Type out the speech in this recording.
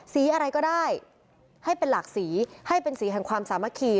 สีอะไรก็ได้ให้เป็นหลากสีให้เป็นสีแห่งความสามัคคี